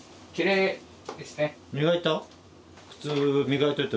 磨いた？